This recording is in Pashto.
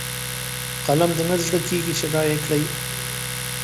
قلم دې نه زړه کېږي چې رايې کړئ.